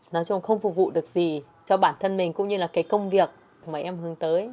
nói chung không phục vụ được gì cho bản thân mình cũng như là cái công việc mà em hướng tới